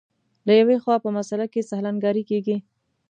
له یوې خوا په مسأله کې سهل انګاري کېږي.